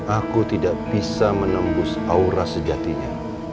aku tidak bisa menembus aura sejatinya